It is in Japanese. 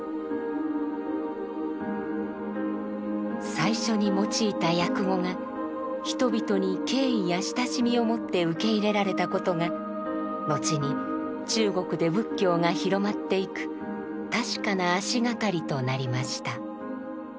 最初に用いた訳語が人々に敬意や親しみをもって受け入れられたことがのちに中国で仏教が広まっていく確かな足がかりとなりました。